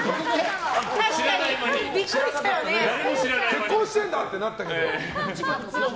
結婚してんだ！ってなったけど。